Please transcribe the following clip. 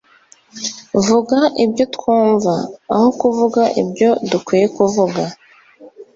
vuga ibyo twumva, aho kuvuga ibyo dukwiye kuvuga